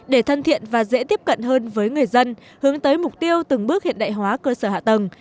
để thân thiện và dễ tiếp cận hơn với người dân hướng tới mục tiêu từng bước hiện đại hóa cơ sở hạ tầng